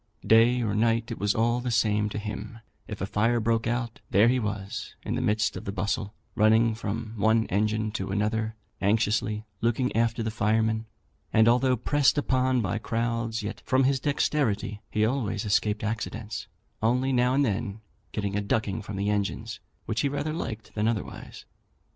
Day or night, it was all the same to him; if a fire broke out, there he was in the midst of the bustle, running from one engine to another, anxiously looking after the firemen; and, although pressed upon by crowds, yet, from his dexterity, he always escaped accidents, only now and then getting a ducking from the engines, which he rather liked than otherwise.